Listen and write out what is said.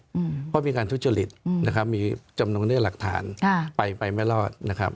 เพราะมีการทุจริตมีจำนวนเรื่องหลักฐานไปไม่รอด